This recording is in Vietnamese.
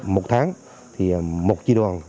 một tháng thì một chi đoàn